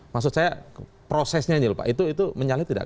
maksud saya prosesnya itu menyalahi tidak